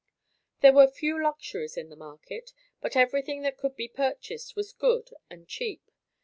There were few luxuries in the market, but everything that could be purchased was good and cheap.